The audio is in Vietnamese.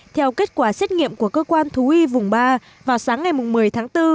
theo kết quả xét nghiệm của cơ quan thú y vùng ba vào sáng ngày một mươi tháng bốn